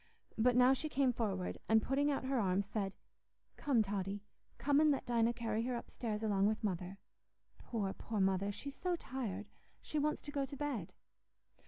But now she came forward, and, putting out her arms, said, "Come Totty, come and let Dinah carry her upstairs along with Mother: poor, poor Mother! she's so tired—she wants to go to bed."